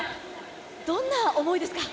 どんな思いですか。